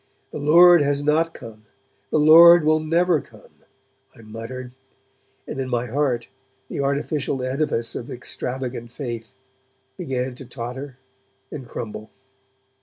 'The Lord has not come, the Lord will never come,' I muttered, and in my heart the artificial edifice of extravagant faith began to totter and crumble.